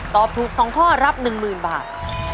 ตอบถูก๒ข้อรับ๑๐๐๐บาท